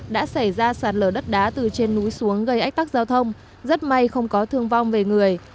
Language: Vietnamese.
đã xảy ra sạt lở đất đá từ trên núi xuống gây ách tắc giao thông rất may không có thương vong về người